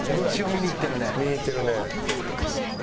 見に行ってるね。